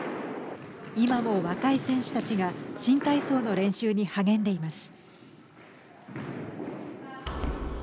今も若い選手たちが新体操の練習に励んでいます。